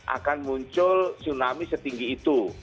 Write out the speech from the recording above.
akan muncul tsunami setinggi itu